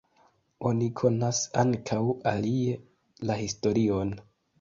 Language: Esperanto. Oni konas ankaŭ alie la historion.